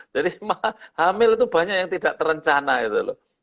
jadi hamil itu banyak yang tidak terencana itu loh